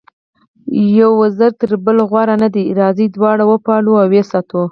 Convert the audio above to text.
یو وزر تر بل غوره نه دی، راځئ دواړه وپالو او ویې ساتو.